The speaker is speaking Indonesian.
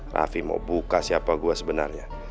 rafi mau buka siapa saya sebenarnya